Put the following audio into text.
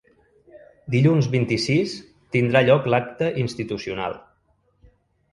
Dilluns vint-i-sis tindrà lloc l’acte institucional.